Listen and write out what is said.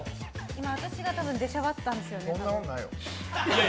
今、私が多分出しゃばったんですよね。